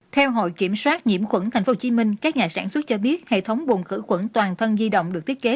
theo hội kiểm soát nhiễm khuẩn tp hcm các nhà sản xuất cho biết hệ thống buồn khử khuẩn toàn thân di động được thiết kế